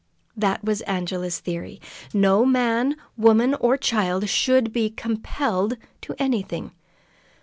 That was Angela's theory. No man, woman, or child should be compelled to anything.